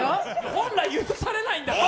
本来、許されないんだから。